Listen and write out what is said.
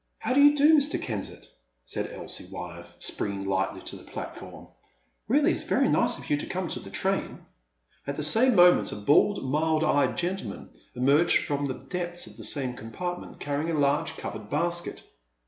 •*How do you do, Mr. Kensett," said Elsie Wyeth, springing lightly to the platform. Really it is very nice of you to come to the train.*' At the same moment a bald, mild eyed gentleman emerged from the depths of the same compart ment carrying a large covered basket.